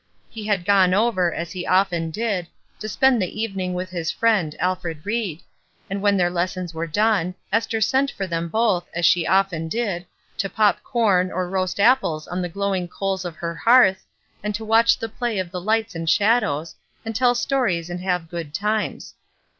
He had gone over, as he often did, to spend the evening with his friend, Alfred Ried, and when their lessons were done. Ester had sent for them both, as she often did, to pop corn or roast apples on the glowing coals of her hearth, and to watch the play of the lights and shadows, and tell stories and have good times.